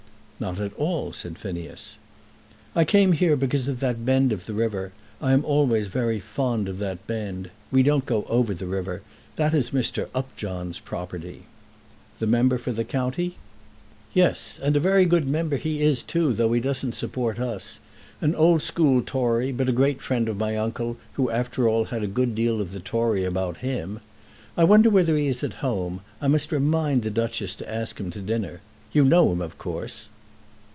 "Not at all," said Phineas. "I came here because of that bend of the river. I am always very fond of that bend. We don't go over the river. That is Mr. Upjohn's property." "The member for the county?" "Yes; and a very good member he is too, though he doesn't support us; an old school Tory, but a great friend of my uncle, who after all had a good deal of the Tory about him. I wonder whether he is at home. I must remind the Duchess to ask him to dinner. You know him, of course."